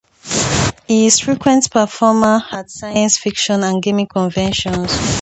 He is a frequent performer at science fiction and gaming conventions.